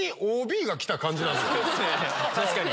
確かに。